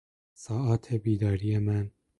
ساعات بیداری من